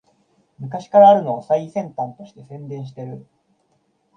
昔からあるのを最先端として宣伝してる